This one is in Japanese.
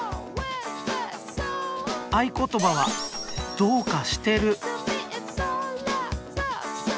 合言葉は「どうかしてる」。